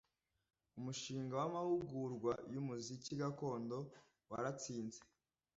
umushinga wamahugurwa y’umuziki gakondo waratsinze